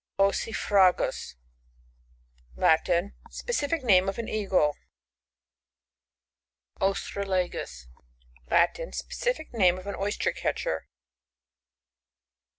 OssiFRAGus. — Latin. Specific name of an cag'e. OsTRALPsus. — T.atm. Specific name of an Oyster Cntchcr.